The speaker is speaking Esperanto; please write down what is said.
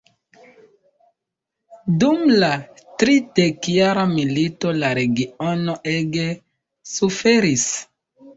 Dum la tridekjara milito la regiono ege suferis.